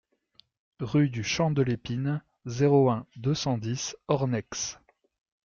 Rue du Champ de l'Épine, zéro un, deux cent dix Ornex